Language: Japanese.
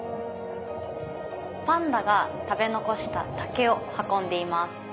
パンダが食べ残した竹を運んでいます。